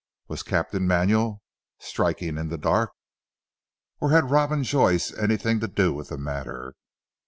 Was Captain Manuel striking in the dark? Or had Robin Joyce anything to do with the matter?